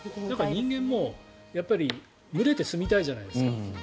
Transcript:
人間も群れて住みたいじゃないですか。